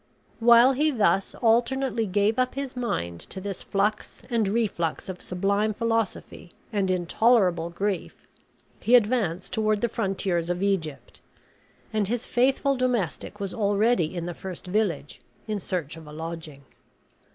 While he thus alternately gave up his mind to this flux and reflux of sublime philosophy and intolerable grief, he advanced toward the frontiers of Egypt; and his faithful domestic was already in the first village, in search of a lodging.